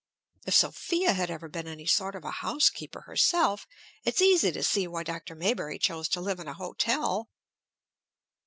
If Sophia had ever been any sort of a housekeeper herself it's easy to see why Dr. Maybury chose to live at a hotel!"